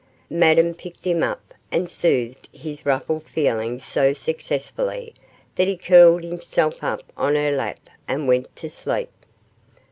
Madame picked him up and soothed his ruffled feelings so successfully, that he curled himself up on her lap and went to sleep.